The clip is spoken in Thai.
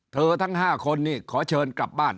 เธอทั้งห้าคนนี้ขอเชิญกลับบ้าน